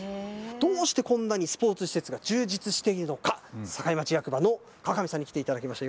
どうしてこんなにスポーツ施設が充実しているのか、境町役場の川上さんに来ていただきました。